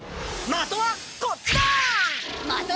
まとはこっちだ！